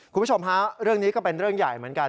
คุณผู้ชมฮะเรื่องนี้ก็เป็นเรื่องใหญ่เหมือนกัน